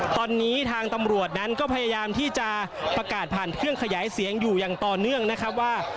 ตอนนี้ทางตำรวจนั้นก็พยายามที่จะประกาศผ่านเครื่องขยายเสียงอยู่อย่างต่อเนื่องนะครับว่า